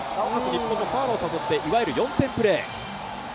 日本のファウルを誘って、いわゆる４点プレー。